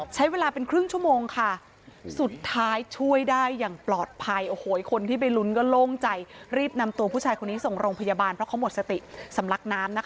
ใช้เวลาเป็นครึ่งชั่วโมงค่ะ